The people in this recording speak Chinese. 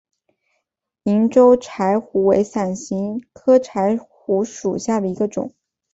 银州柴胡为伞形科柴胡属下的一个种。